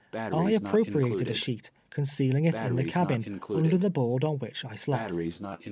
I appropriated a sheet, concealing it in the cabin, under the board on which I slept.